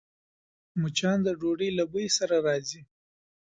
مچان د ډوډۍ له بوی سره راځي